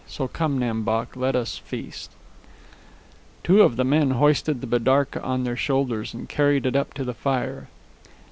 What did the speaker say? So come, Nam Bok, let us feast." Two of the men hoisted the bidarka on their shoulders and carried it up to the fire.